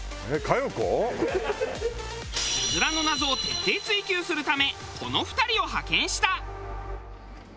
うずらの謎を徹底追求するためこの２人を派遣した。